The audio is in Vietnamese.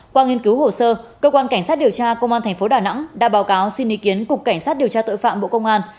qua nghiên cứu hồ sơ cơ quan cảnh sát điều tra công an tp đà nẵng đã báo cáo xin ý kiến cục cảnh sát điều tra tội phạm bộ công an